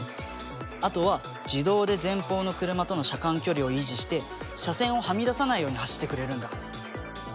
あとは自動で前方の車との車間距離を維持して車線をはみ出さないように走ってくれるんだ。